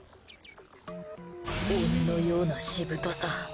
鬼のようなしぶとさ。